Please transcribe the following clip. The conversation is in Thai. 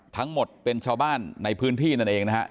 ทั้งหมดเป็นชาวบ้านในพื้นที่นั่นเองนะฮะ